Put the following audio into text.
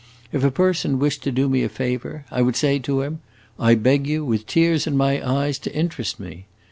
If a person wished to do me a favor I would say to him, 'I beg you, with tears in my eyes, to interest me.